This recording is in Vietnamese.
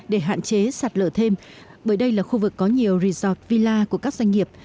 để hạn chế sạt lỡ thêm bởi đây là khu vực có nhiều resort villa của các doanh nghiệp